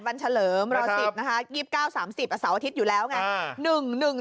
๒๘วันเฉลิมรอสิบนะคะ๒๙๓๐สาวอาทิตย์อยู่แล้วไง